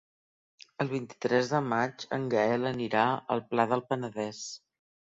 El vint-i-tres de maig en Gaël anirà al Pla del Penedès.